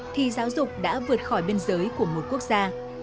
thì giáo dục đã vượt khỏi biên giới của một quốc gia